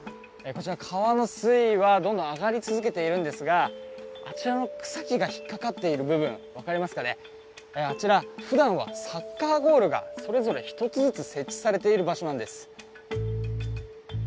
こちら、川の水位はどんどん上がり続けているんですが、あちらの草木が引っ掛かっている部分、分かりますかね、あちら、ふだんはサッカーゴールがそれぞれ１つずつ設置されている場所なんです。